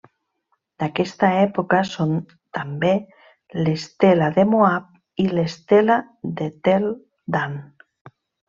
D'aquesta època són també l'estela de Moab i l'estela de Tel Dan.